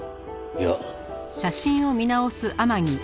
いや。